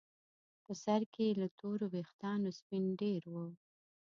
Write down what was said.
په سر کې یې له تورو ویښتانو سپین ډیر وو.